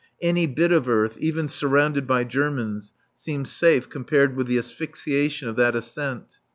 Any bit of earth, even surrounded by Germans, seems safe compared with the asphyxiation of that ascent.